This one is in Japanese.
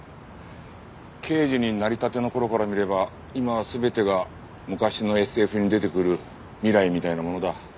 刑事になりたての頃から見れば今は全てが昔のＳＦに出てくる未来みたいなものだ。